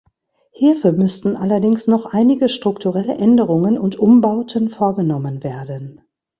Hierfür müssten allerdings noch einige strukturelle Änderungen und Umbauten vorgenommen werden.